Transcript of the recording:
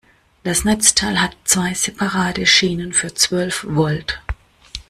Das Netzteil hat zwei separate Schienen für zwölf Volt.